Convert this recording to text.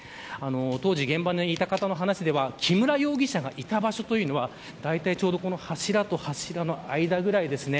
当時、現場にいた方の話では木村容疑者がいた場所というのは大体ちょうどこの柱と柱の間ぐらいですね。